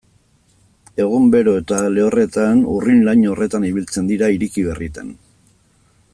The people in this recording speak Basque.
Egun bero eta lehorretan urrin-laino horretan biltzen dira, ireki berritan.